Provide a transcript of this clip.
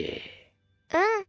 うん。